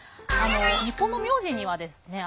日本の名字にはですね